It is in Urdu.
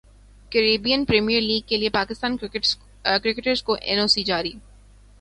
کیریبیئن پریمیئر لیگ کیلئے پاکستانی کرکٹرز کو این او سی جاری